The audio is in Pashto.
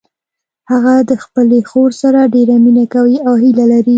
هغه د خپلې خور سره ډیره مینه کوي او هیله لري